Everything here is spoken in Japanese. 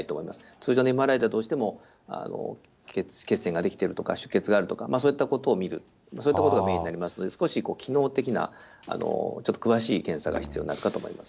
通常のＭＲＩでは、どうしても血栓が出来ているとか、出血があるとか、そういったところを見る、そういったことがメインになりますので、少し機能的な、ちょっと詳しい検査が必要になるかと思います。